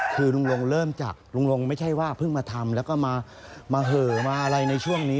คือลุงลงเริ่มจากลุงลงไม่ใช่ว่าเพิ่งมาทำแล้วก็มาเหอะมาอะไรในช่วงนี้